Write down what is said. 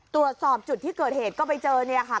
ตรวจสอบจุดที่เกิดเหตุก็ไปเจอเนี่ยค่ะ